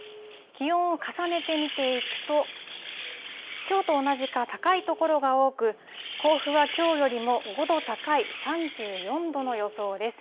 気温を重ねて見ていくと、きょうと同じか、高い所が多く、甲府はきょうよりも５度高い３４度の予想です。